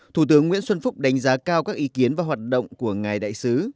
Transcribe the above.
thủ tướng nguyễn xuân phúc đánh giá cao các ý kiến và hoạt động của ngài đại sứ